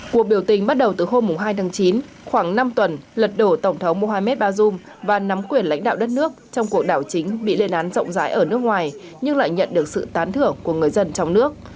cuộc biểu tình bắt đầu từ hôm hai tháng chín khoảng năm tuần lật đổ tổng thống mohamed bazoum và nắm quyền lãnh đạo đất nước trong cuộc đảo chính bị lên án rộng rãi ở nước ngoài nhưng lại nhận được sự tán thưởng của người dân trong nước